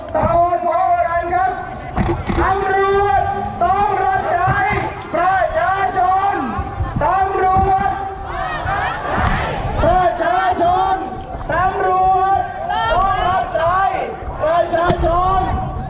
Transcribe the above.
ต้องรวดต้องรับใจประชาชน